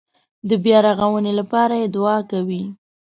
د بیارغونې لپاره یې دعا کوي.